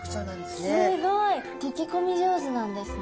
すごいとけこみ上手なんですね。